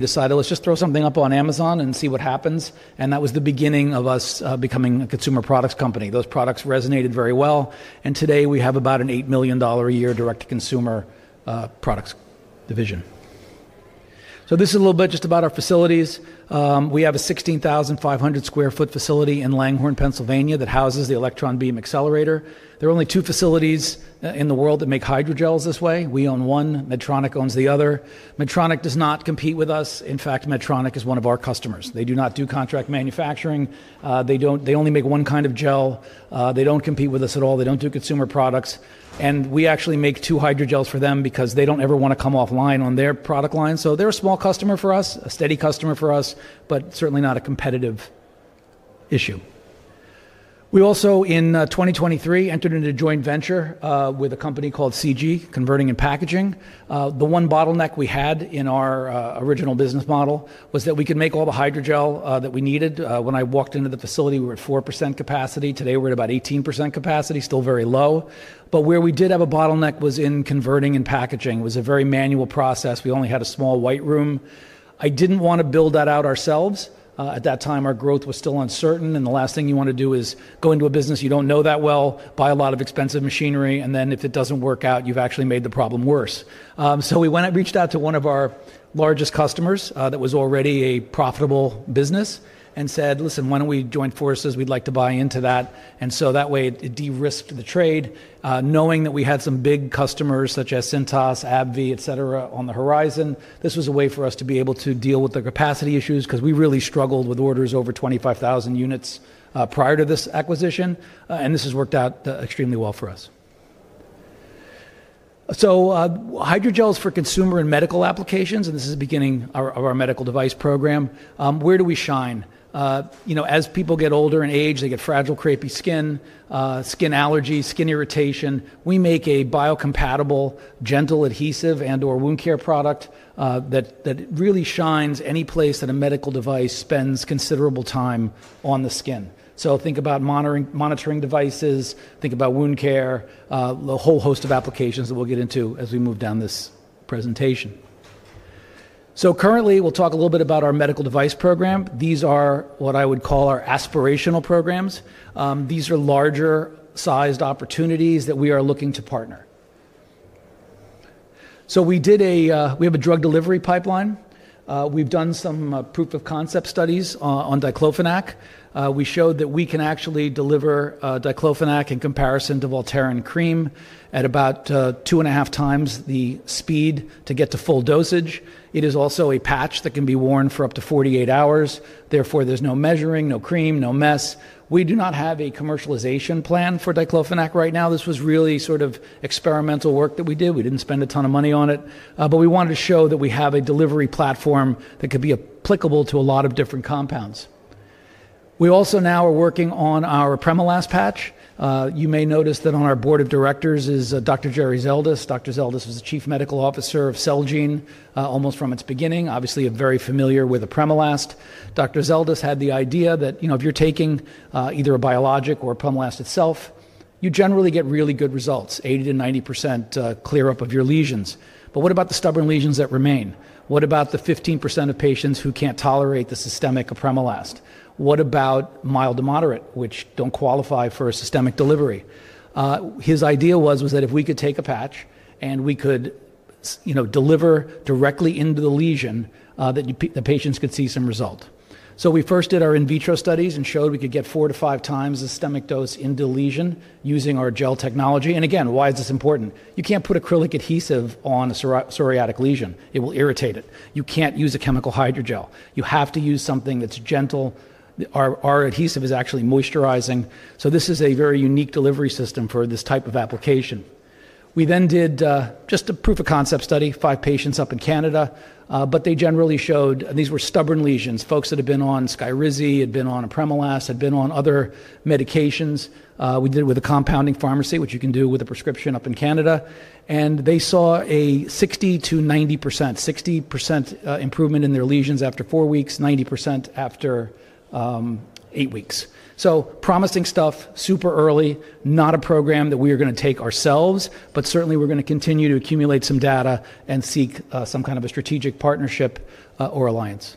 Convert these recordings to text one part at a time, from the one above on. Decided, let's just throw something up on Amazon and see what happens. That was the beginning of us becoming a consumer products company. Those products resonated very well. Today we have about an $8 million a year direct-to-consumer products division. This is a little bit just about our facilities. We have a 16,500 square foot facility in Langhorne, Pennsylvania, that houses the electron beam accelerator. There are only two facilities in the world that make hydrogels this way. We own one. Medtronic owns the other. Medtronic does not compete with us. In fact, Medtronic is one of our customers. They do not do contract manufacturing. They only make one kind of gel. They don't compete with us at all. They don't do consumer products. We actually make two hydrogels for them because they don't ever want to come offline on their product line. They're a small customer for us, a steady customer for us, but certainly not a competitive issue. In 2023, we entered into a joint venture with a company called CG Converting and Packaging. The one bottleneck we had in our original business model was that we could make all the hydrogel that we needed. When I walked into the facility, we were at 4% capacity. Today we're at about 18% capacity, still very low. Where we did have a bottleneck was in converting and packaging. It was a very manual process. We only had a small white room. I didn't want to build that out ourselves. At that time, our growth was still uncertain. The last thing you want to do is go into a business you don't know that well, buy a lot of expensive machinery, and then if it doesn't work out, you've actually made the problem worse. We went out and reached out to one of our largest customers that was already a profitable business and said, listen, why don't we join forces? We'd like to buy into that. That way it de-risked the trade. Knowing that we had some big customers such as Cintas Corporation, AbbVie, etc, on the horizon, this was a way for us to be able to deal with the capacity issues because we really struggled with orders over 25,000 units prior to this acquisition. This has worked out extremely well for us. Hydrogels for consumer and medical applications, and this is the beginning of our medical device program. Where do we shine? As people get older in age, they get fragile, crepey skin, skin allergies, skin irritation. We make a biocompatible, gentle adhesive and/or wound care product that really shines any place that a medical device spends considerable time on the skin. Think about monitoring devices, think about wound care, a whole host of applications that we'll get into as we move down this presentation. Currently, we'll talk a little bit about our medical device program. These are what I would call our aspirational programs. These are larger-sized opportunities that we are looking to partner. We have a drug delivery pipeline. We've done some proof of concept studies on diclofenac. We showed that we can actually deliver diclofenac in comparison to Voltaren cream at about 2.5 times the speed to get to full dosage. It is also a patch that can be worn for up to 48 hours. Therefore, there's no measuring, no cream, no mess. We do not have a commercialization plan for diclofenac right now. This was really sort of experimental work that we did. We didn't spend a ton of money on it, but we wanted to show that we have a delivery platform that could be applicable to a lot of different compounds. We also now are working on our apremilast patch. You may notice that on our Board of Directors is Dr. Jerry Zeldis. Dr. Zeldis was the Chief Medical Officer of Celgene, almost from its beginning. Obviously, you're very familiar with the apremilast. Dr. Zeldis had the idea that if you're taking either a biologic or apremilast itself, you generally get really good results, 80% to 90% clear up of your lesions. What about the stubborn lesions that remain? What about the 15% of patients who can't tolerate the systemic apremilast? What about mild to moderate, which don't qualify for a systemic delivery? His idea was that if we could take a patch and we could deliver directly into the lesion, the patients could see some result. We first did our in vitro studies and showed we could get four to five times the systemic dose into the lesion using our gel technology. Again, why is this important? You can't put acrylic adhesive on a psoriatic lesion. It will irritate it. You can't use a chemical hydrogel. You have to use something that's gentle. Our adhesive is actually moisturizing. This is a very unique delivery system for this type of application. We then did just a proof of concept study, five patients up in Canada. They generally showed, and these were stubborn lesions, folks that had been on Skyrizi, had been on apremilast, had been on other medications. We did it with a compounding pharmacy, which you can do with a prescription up in Canada. They saw a 60% to 90%, 60% improvement in their lesions after four weeks, 90% after eight weeks. Promising stuff, super early, not a program that we are going to take ourselves, but certainly we're going to continue to accumulate some data and seek some kind of a strategic partnership or alliance.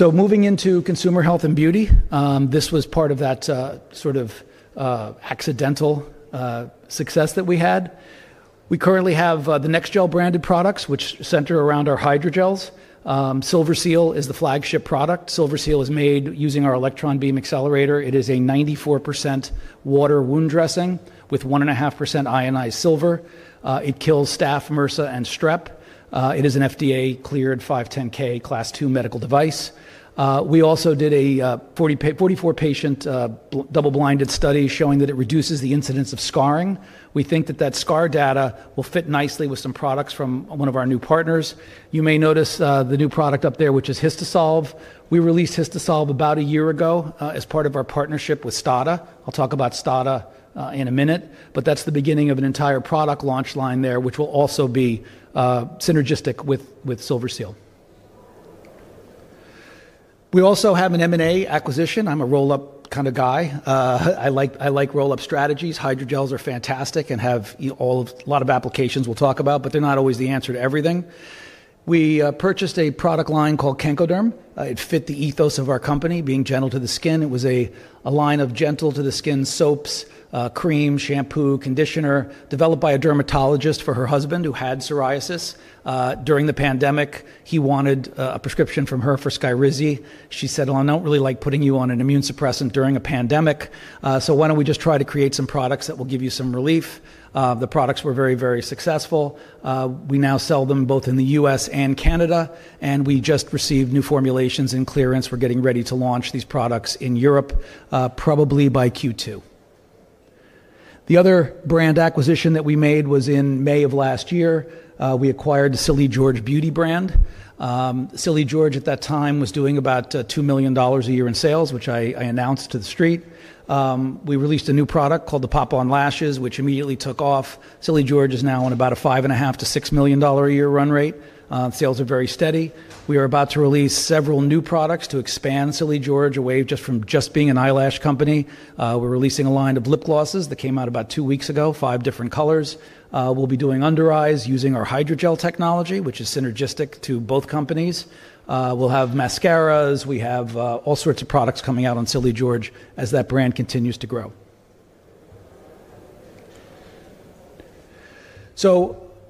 Moving into consumer health and beauty, this was part of that sort of accidental success that we had. We currently have the NEXGEL branded products, which center around our hydrogels. Silverseal is the flagship product. Silverseal is made using our electron beam accelerator. It is a 94% water wound dressing with 1.5% ionized silver. It kills staph, MRSA, and strep. It is an FDA-cleared 510(k) class II medical device. We also did a 44-patient double-blinded study showing that it reduces the incidence of scarring. We think that that scar data will fit nicely with some products from one of our new partners. You may notice the new product up there, which is Histosolve. We released Histosolve about a year ago as part of our partnership with STADA. I'll talk about STADA in a minute. That's the beginning of an entire product launch line there, which will also be synergistic with Silverseal. We also have an M&A acquisition. I'm a roll-up kind of guy. I like roll-up strategies. Hydrogels are fantastic and have a lot of applications we'll talk about. They're not always the answer to everything. We purchased a product line called Kenkoderm. It fit the ethos of our company, being gentle to the skin. It was a line of gentle-to-the-skin soaps, cream, shampoo, conditioner, developed by a dermatologist for her husband who had psoriasis. During the pandemic, he wanted a prescription from her for Skyrizi. She said, I don't really like putting you on an immune suppressant during a pandemic. Why don't we just try to create some products that will give you some relief? The products were very, very successful. We now sell them both in the U.S. and Canada. We just received new formulations and clearance. We're getting ready to launch these products in Europe, probably by Q2. The other brand acquisition that we made was in May of last year. We acquired the Silly George beauty brand. Silly George at that time was doing about $2 million a year in sales, which I announced to the street. We released a new product called the Pop-On Lashes, which immediately took off. Silly George is now on about a $5.5 million to $6 million a year run rate. Sales are very steady. We are about to release several new products to expand Silly George away from just being an eyelash company. We're releasing a line of lip glosses that came out about two weeks ago, five different colors. We'll be doing under eyes using our hydrogel technology, which is synergistic to both companies. We'll have mascaras. We have all sorts of products coming out on Silly George as that brand continues to grow.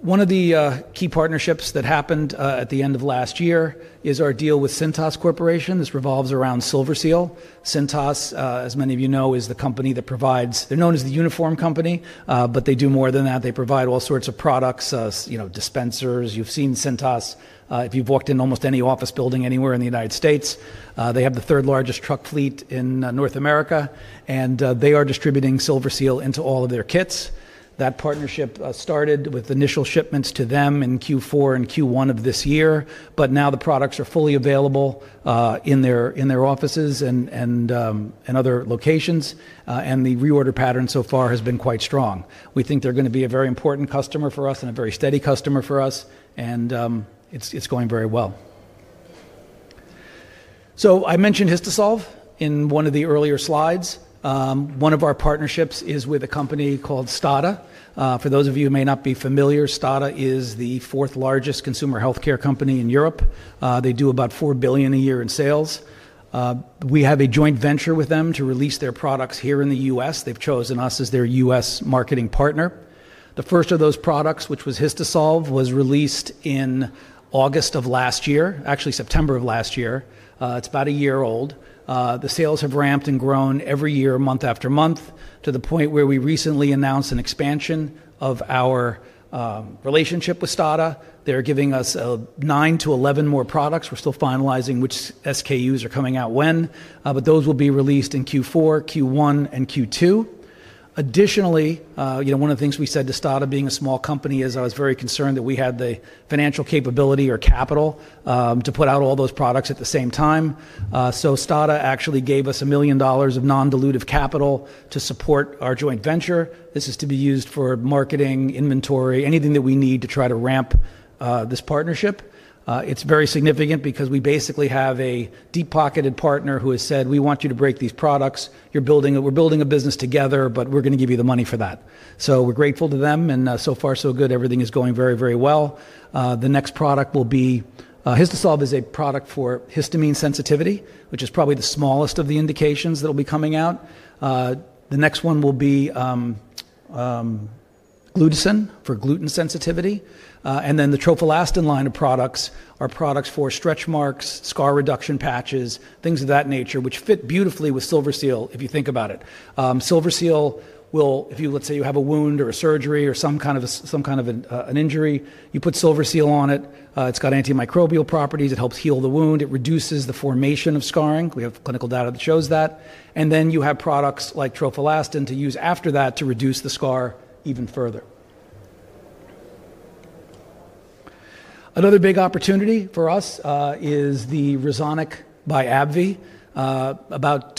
One of the key partnerships that happened at the end of last year is our deal with Cintas Corporation. This revolves around Silverseal. Cintas, as many of you know, is the company that provides—they're known as the uniform company, but they do more than that. They provide all sorts of products, dispensers. You've seen Cintas if you've walked in almost any office building anywhere in the United States. They have the third largest truck fleet in North America, and they are distributing Silverseal into all of their kits. That partnership started with initial shipments to them in Q4 and Q1 of this year. Now the products are fully available in their offices and other locations. The reorder pattern so far has been quite strong. We think they're going to be a very important customer for us and a very steady customer for us. It's going very well. I mentioned Histosolve in one of the earlier slides. One of our partnerships is with a company called STADA. For those of you who may not be familiar, STADA is the fourth largest consumer healthcare company in Europe. They do about $4 billion a year in sales. We have a joint venture with them to release their products here in the U.S. They've chosen us as their U.S. marketing partner. The first of those products, which was Histosolve, was released in August of last year, actually September of last year. It's about a year old. The sales have ramped and grown every year, month after month, to the point where we recently announced an expansion of our relationship with STADA. They're giving us 9 to 11 more products. We're still finalizing which SKUs are coming out when, but those will be released in Q4, Q1, and Q2. Additionally, one of the things we said to STADA, being a small company, is I was very concerned that we had the financial capability or capital to put out all those products at the same time. STADA actually gave us $1 million of non-dilutive capital to support our joint venture. This is to be used for marketing, inventory, anything that we need to try to ramp this partnership. It's very significant because we basically have a deep-pocketed partner who has said, we want you to break these products. We're building a business together, but we're going to give you the money for that. We're grateful to them. So far, so good. Everything is going very, very well. The next product will be Histosolve, a product for histamine sensitivity, which is probably the smallest of the indications that will be coming out. The next one will be Glutason for gluten sensitivity. The Trofolastin line of products are products for stretch marks, scar reduction patches, things of that nature, which fit beautifully with Silverseal if you think about it. Silverseal will, if you, let's say, you have a wound or a surgery or some kind of an injury, you put Silverseal on it. It's got antimicrobial properties. It helps heal the wound. It reduces the formation of scarring. We have clinical data that shows that. Then you have products like Trofolastin to use after that to reduce the scar even further. Another big opportunity for us is the Resonic by AbbVie. About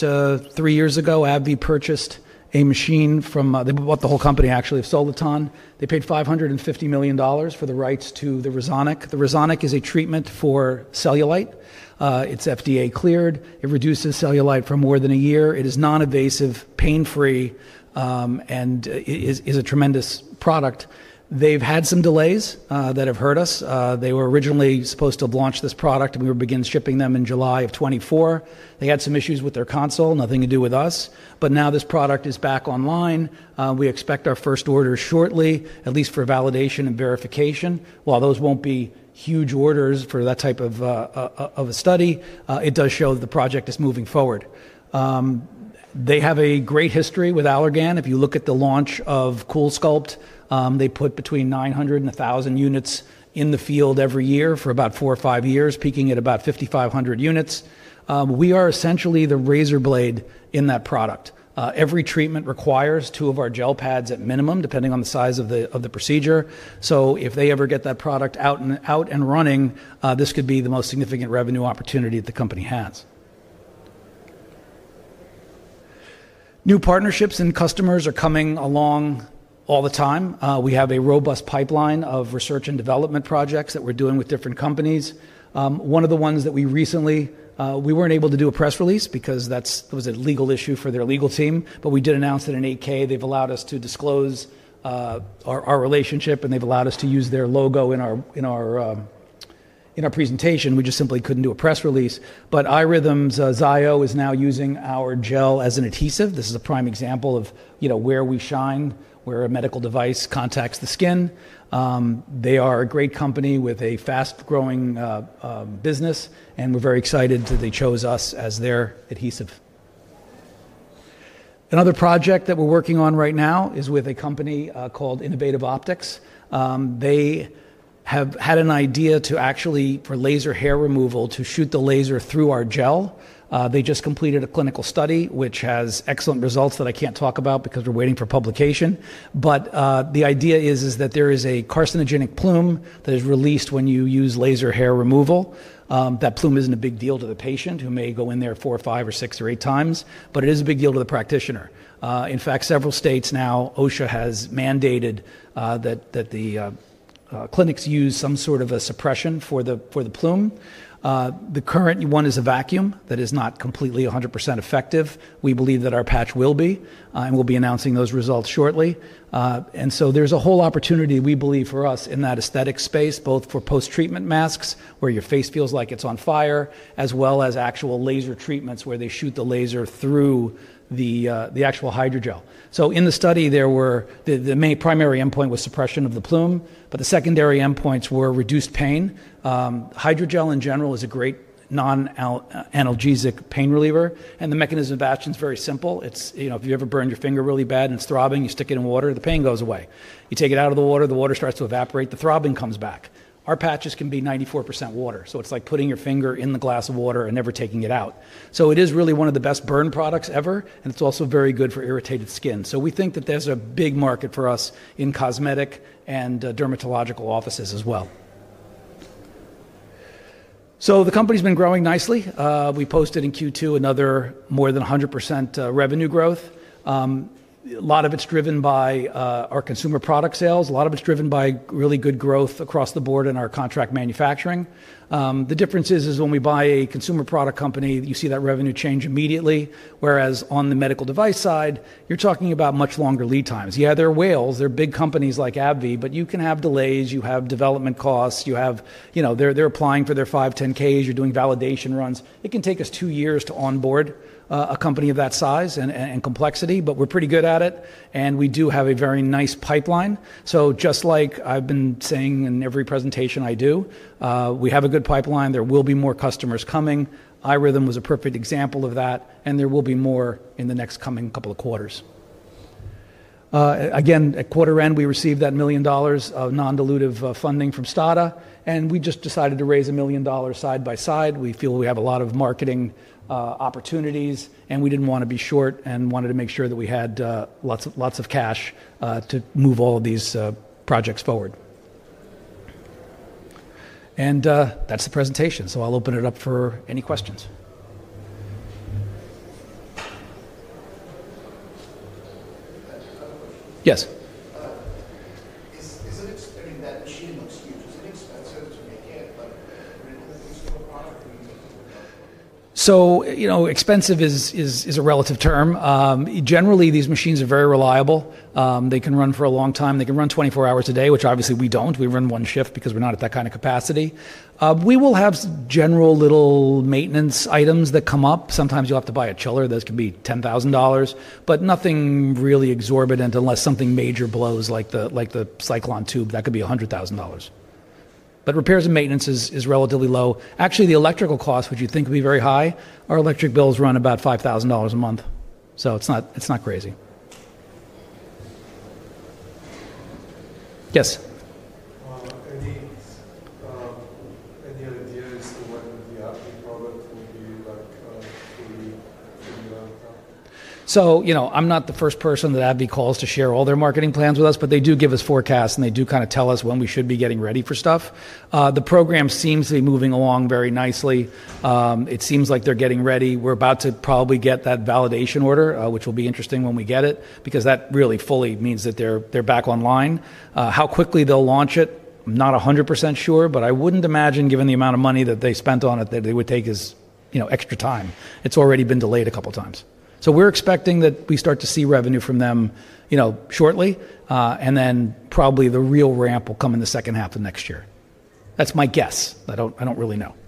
three years ago, AbbVie purchased a machine from—they bought the whole company, actually—of Soliton. They paid $550 million for the rights to the Resonic. The Resonic is a treatment for cellulite. It's FDA-cleared. It reduces cellulite for more than a year. It is non-invasive, pain-free, and is a tremendous product. They've had some delays that have hurt us. They were originally supposed to have launched this product, and we were beginning shipping them in July of 2024. They had some issues with their console, nothing to do with us. Now this product is back online. We expect our first order shortly, at least for validation and verification. While those won't be huge orders for that type of a study, it does show that the project is moving forward. They have a great history with Allergan. If you look at the launch of CoolSculpt, they put between 900 and 1,000 units in the field every year for about four or five years, peaking at about 5,500 units. We are essentially the razor blade in that product. Every treatment requires two of our gel pads at minimum, depending on the size of the procedure. If they ever get that product out and running, this could be the most significant revenue opportunity that the company has. New partnerships and customers are coming along all the time. We have a robust pipeline of research and development projects that we're doing with different companies. One of the ones that we recently weren't able to do a press release for because that was a legal issue for their legal team. We did announce that in an 8K, they've allowed us to disclose our relationship, and they've allowed us to use their logo in our presentation. We just simply couldn't do a press release. iRhythm's Zio patch is now using our gel as an adhesive. This is a prime example of where we shine, where a medical device contacts the skin. They are a great company with a fast-growing business, and we're very excited that they chose us as their adhesive. Another project that we're working on right now is with a company called Innovative Optics. They have had an idea to actually, for laser hair removal, shoot the laser through our gel. They just completed a clinical study, which has excellent results that I can't talk about because we're waiting for publication. The idea is that there is a carcinogenic plume that is released when you use laser hair removal. That plume isn't a big deal to the patient who may go in there four or five or six or eight times, but it is a big deal to the practitioner. In fact, several states now, OSHA has mandated that the clinics use some sort of a suppression for the plume. The current one is a vacuum that is not completely 100% effective. We believe that our patch will be, and we'll be announcing those results shortly. There is a whole opportunity, we believe, for us in that aesthetic space, both for post-treatment masks, where your face feels like it's on fire, as well as actual laser treatments where they shoot the laser through the actual hydrogel. In the study, the main primary endpoint was suppression of the plume. The secondary endpoints were reduced pain. Hydrogel, in general, is a great non-analgesic pain reliever. The mechanism of action is very simple. If you ever burned your finger really bad and it's throbbing, you stick it in water, the pain goes away. You take it out of the water, the water starts to evaporate, the throbbing comes back. Our patches can be 94% water, so it's like putting your finger in the glass of water and never taking it out. It is really one of the best burn products ever, and it's also very good for irritated skin. We think that there's a big market for us in cosmetic and dermatological offices as well. The company's been growing nicely. We posted in Q2 another more than 100% revenue growth. A lot of it's driven by our consumer product sales. A lot of it's driven by really good growth across the board in our contract manufacturing. The difference is when we buy a consumer product company, you see that revenue change immediately. Whereas on the medical device side, you're talking about much longer lead times. They're whales. They're big companies like AbbVie. You can have delays. You have development costs. They're applying for their 510(k)s. You're doing validation runs. It can take us two years to onboard a company of that size and complexity. We're pretty good at it. We do have a very nice pipeline. Just like I've been saying in every presentation I do, we have a good pipeline. There will be more customers coming. iRhythm was a perfect example of that. There will be more in the next coming couple of quarters. At quarter end, we received that $1 million of non-dilutive funding from STADA. We just decided to raise $1 million side by side. We feel we have a lot of marketing opportunities. We didn't want to be short and wanted to make sure that we had lots of cash to move all of these projects forward. That's the presentation. I'll open it up for any questions. Yes. Is it, I mean, that machine looks huge. Is it expensive to make it? I mean, is it a useful product? Expensive is a relative term. Generally, these machines are very reliable. They can run for a long time. They can run 24 hours a day, which obviously we don't. We run one shift because we're not at that kind of capacity. We will have general little maintenance items that come up. Sometimes you'll have to buy a chiller. Those can be $10,000. Nothing really exorbitant unless something major blows, like the cyclon tube. That could be $100,000. Repairs and maintenance is relatively low. Actually, the electrical costs, which you'd think would be very high, our electric bills run about $5,000 a month. It's not crazy. Yes. Any idea as to when the AbbVie product will be like fully out of town? I'm not the first person that AbbVie calls to share all their marketing plans with us, but they do give us forecasts, and they do kind of tell us when we should be getting ready for stuff. The program seems to be moving along very nicely. It seems like they're getting ready. We're about to probably get that validation order, which will be interesting when we get it because that really fully means that they're back online. How quickly they'll launch it, I'm not 100% sure. I wouldn't imagine, given the amount of money that they spent on it, that it would take extra time. It's already been delayed a couple of times. We're expecting that we start to see revenue from them shortly, and probably the real ramp will come in the second half of next year. That's my guess. I don't really know.